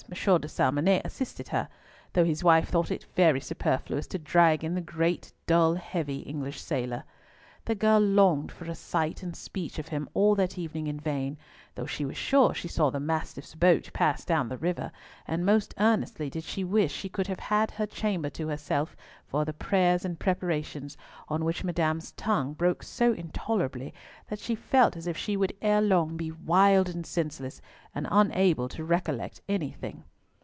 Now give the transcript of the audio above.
de Salmonnet assisted her, though his wife thought it very superfluous to drag in the great, dull, heavy, English sailor. The girl longed for a sight and speech of him all that evening in vain, though she was sure she saw the Mastiff's boat pass down the river, and most earnestly did she wish she could have had her chamber to herself for the prayers and preparations, on which Madame's tongue broke so intolerably that she felt as if she should ere long be wild and senseless, and unable to recollect anything.